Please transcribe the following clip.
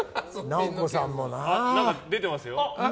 何か出てますよ。